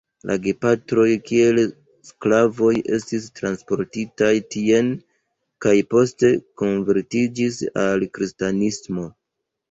La gepatroj kiel sklavoj estis transportitaj tien kaj poste konvertiĝis al kristanismo.